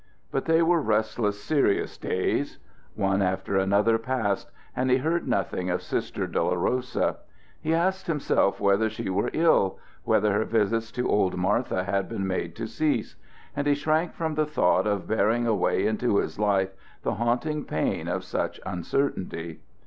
But they were restless, serious days. One after another passed, and he heard nothing of Sister Dolorosa. He asked himself whether she were ill, whether her visits to old Martha had been made to cease; and he shrank from the thought of bearing away into his life the haunting pain of such uncertainty.